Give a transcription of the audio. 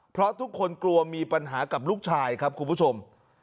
เพราะทุกคนกลัวมีปัญหากับลูกชายครับคุณผู้ชม